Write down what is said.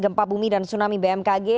gempa bumi dan tsunami bmkg